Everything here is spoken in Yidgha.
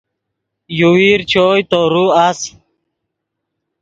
یوویر چوئے تورو اَس